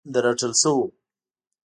د رټل شوو